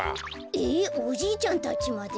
えっおじいちゃんたちまで？